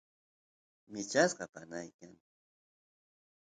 michasqa panay kan